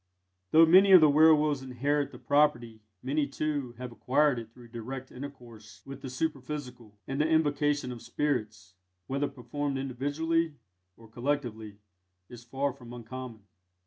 Though many of the werwolves inherit the property, many, too, have acquired it through direct intercourse with the superphysical; and the invocation of spirits, whether performed individually or collectively, is far from uncommon.